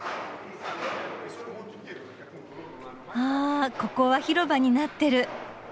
あここは広場になってる。